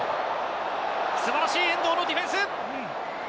素晴らしい遠藤のディフェンス。